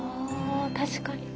確かに。